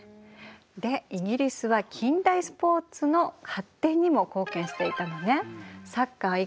でイギリスは近代スポーツの発展にも貢献していたのね。